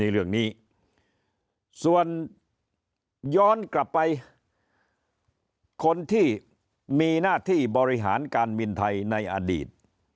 เรื่องนี้ส่วนย้อนกลับไปคนที่มีหน้าที่บริหารการบินไทยในอดีต